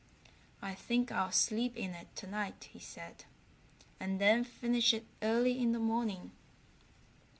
"I think I'll sleep in it tonight," he said, "and then finish it early in the morning."